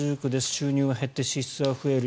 収入は減って支出は増える。